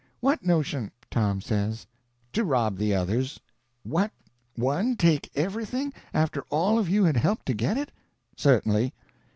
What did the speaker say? "What notion?" Tom says. "To rob the others." "What—one take everything, after all of you had helped to get it?" "Cert'nly."